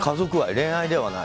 恋愛ではない？